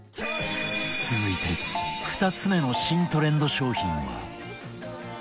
続いて２つ目の新トレンド商品は